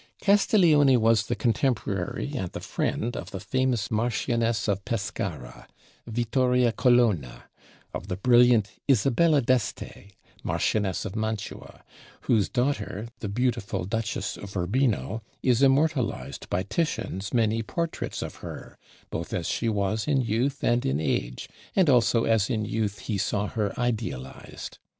Castiglione was the contemporary and the friend of the famous Marchioness of Pescara, Vittoria Colonna; of the brilliant Isabella d'Este, Marchioness of Mantua, whose daughter, the beautiful Duchess of Urbino, is immortalized by Titian's many portraits of her, both as she was in youth and in age, and also as in youth he saw her idealized.